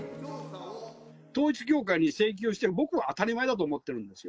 統一教会に請求するのは、僕は当たり前だと思ってるんですよ。